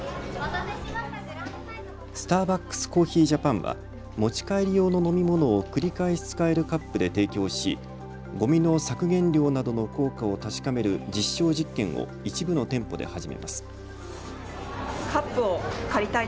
スターバックスコーヒージャパンは持ち帰り用の飲み物を繰り返し使えるカップで提供しごみの削減量などの効果を確かめる実証実験を一部の店舗で始めます。